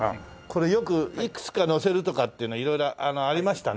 これよくいくつかのせるとかっていうの色々ありましたね。